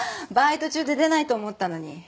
バイト中で出ないと思ったのに。